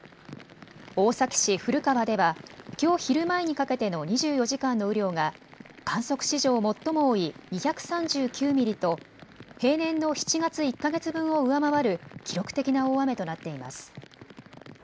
大崎市古川ではきょう昼前にかけての２４時間の雨量が観測史上最も多い２３９ミリと平年の７月１か月分を上回る記録的な大雨となっています。